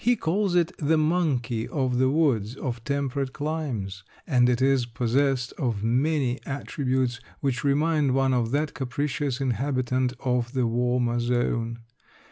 He calls it the monkey of the woods of temperate climes, and it is possessed of many attributes which remind one of that capricious inhabitant of the warmer zone.